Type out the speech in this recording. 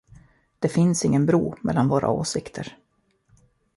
Det finns ingen bro mellan våra åsikter.